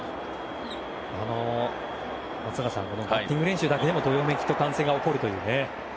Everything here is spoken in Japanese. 松坂さんバッティング練習だけでもどよめきと歓声が起こるという。